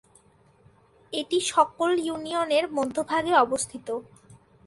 এটি সকল ইউনিয়নের মধ্যভাগে অবস্থিত।